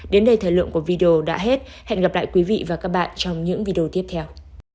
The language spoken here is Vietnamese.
đến đây thời lượng của video đã hết hẹn gặp lại quý vị và các bạn trong những video tiếp theo